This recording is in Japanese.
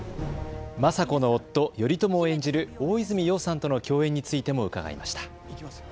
政子の夫、頼朝を演じる大泉洋さんとの共演についても伺いました。